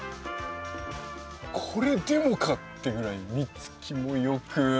これでもかっていうぐらい実つきも良く。